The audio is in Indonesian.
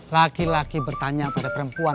laki laki bertanya pada perempuan